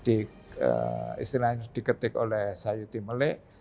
itu istilahnya diketik oleh sayuti malik